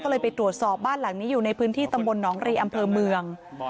ก็เลยไปตรวจสอบบ้านหลังนี้อยู่ในพื้นที่ตำบลหนองรีอำเภอเมือง